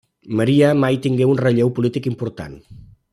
Maria mai tingué un relleu polític important.